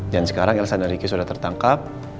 dan sekarang elsa dan riki sudah tertangkap